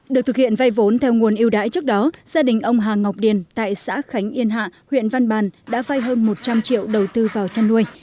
được thực hiện vay vốn theo nguồn yêu đãi trước đó gia đình ông hà ngọc điền tại xã khánh yên hạ huyện văn bàn đã vay hơn một trăm linh triệu đầu tư vào chăn nuôi